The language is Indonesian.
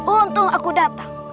untung aku datang